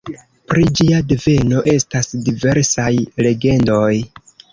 Pri ĝia deveno estas diversaj legendoj.